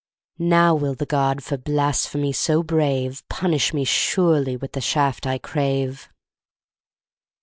(Now will the god, for blasphemy so brave, Punish me, surely, with the shaft I crave!)